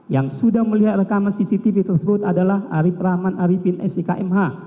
yang sudah melihat rekaman cctv tersebut adalah arif rahman arifin s i k m h